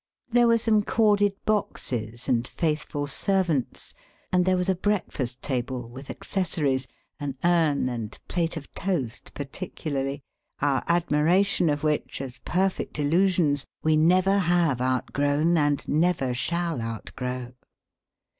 There were some corded boxes, and faithful servants ; and there was a breakfast table, with accessories (an urn and plate of toast particularly) our ad miration of which, as perfect illusions, we never have outgrown and never shall out grow.